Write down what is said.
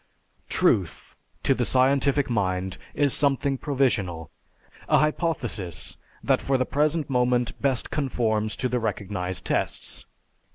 Truth to the scientific mind is something provisional, a hypothesis that for the present moment best conforms to the recognized tests.